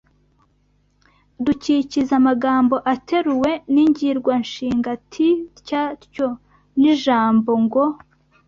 Dukikiza amagambo ateruwe n’ingirwanshinga ti tya tyo n’ijambongo